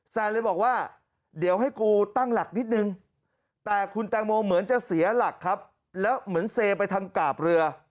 แซนเลยบอกว่าเดี๋ยวให้กูตั้งหลักนิดนึงแต่คุณแตงโมเหมือนจะเสียหลักครับแล้วเหมือนเซไปทางกาบเรือ